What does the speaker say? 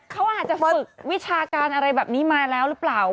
เขาอาจจะฝึกวิชาการอะไรแบบนี้มาแล้วหรือเปล่า